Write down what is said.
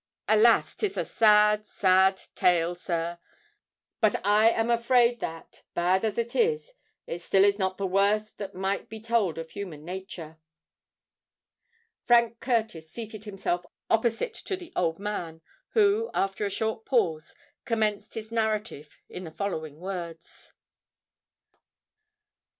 Alas! 'tis a sad—sad tale, sir; but I am afraid that, bad as it is, it still is not the worst that might be told of human nature." Frank Curtis seated himself opposite to the old man, who, after a short pause, commenced his narrative in the following words.